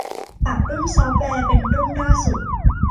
ปรับรุ่นซอฟต์แวร์เป็นรุ่นล่าสุด